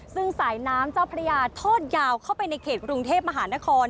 ซึ่งสายน้ำเจ้าพระยาทอดยาวเข้าไปในเขตกรุงเทพมหานคร